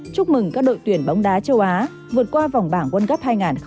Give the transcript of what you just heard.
chúc mừng các đội tuyển bóng đá châu á vượt qua vòng bảng world cup hai nghìn hai mươi